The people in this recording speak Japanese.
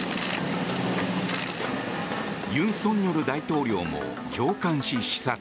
尹錫悦大統領も乗艦し視察。